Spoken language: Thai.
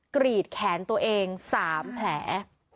กรีดแขนตัวเอง๓แผล